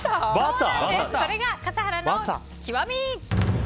それが笠原の極み。